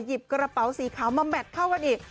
กระเป๋าสีขาวมาแมทเข้ากันอีก